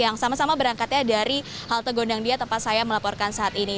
yang sama sama berangkatnya dari halte gondangdia tempat saya melaporkan saat ini